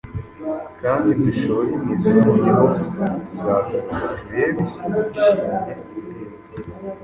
Kandi dushore imizi Noneho tuzagaruka turebe Isi yishimye Iteka.